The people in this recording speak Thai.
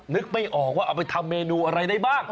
นึกไม่ออกว่าเอาไปทำเมนูอะไรได้บ้าง